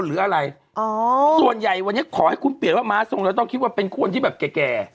หรืออะไรอ๋อส่วนใหญ่วันนี้ขอให้คุณเปลี่ยนว่าม้าทรงเราต้องคิดว่าเป็นคนที่แบบแก่แก่